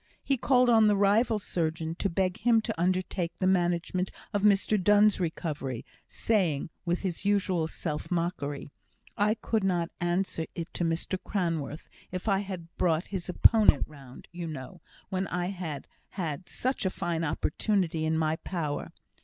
He called on the rival surgeon to beg him to undertake the management of Mr Donne's recovery, saying, with his usual self mockery, "I could not answer it to Mr Cranworth if I had brought his opponent round, you know, when I had had such a fine opportunity in my power.